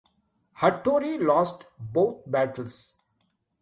Hattori lost both battles.